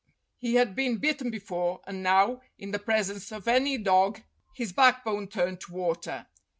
He had been bitten before, and now, in the presence of any dog, his backbone turned to water.